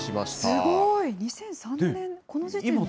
すごい、２００３年、この時点で。